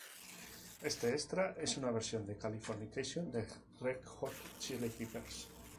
Este extra es una versión de "Californication" de Red Hot Chili Peppers.